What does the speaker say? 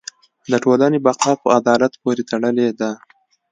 د ټولنې بقاء په عدالت پورې تړلې ده.